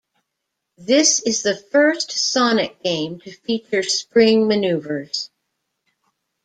This is the first "Sonic" game to feature spring maneuvers.